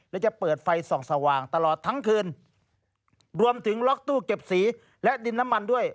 และจะเปิดไฟส่องสว่างตลอดทั้งคืนรวมถึงล็อกตู้เก็บสีและดินน้ำมันด้วย